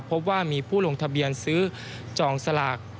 พบว่ามีผู้ลงทะเบียนซื้อจองสลาก